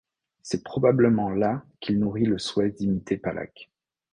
C'est probablement là qu'il nourrit le souhait d'imiter Palach.